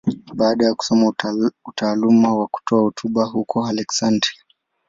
Baada ya kusoma utaalamu wa kutoa hotuba huko Aleksandria.